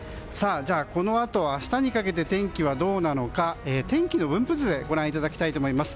このあと明日にかけて天気はどうなのか天気の分布図でご覧いただきたいと思います。